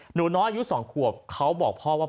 หนูน้อยอายุ๒ขวบเขาบอกพ่อว่า